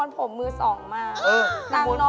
นุ่นหละ